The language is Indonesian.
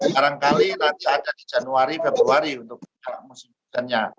barangkali nanti ada di januari februari untuk musim hujannya